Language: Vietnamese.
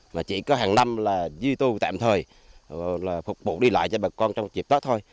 mà chỉ có hàng năm là duy tù tạm thời là phục vụ đi lại cho bà con trong dịp đó thôi